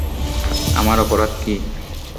আমার অপরাধ কী?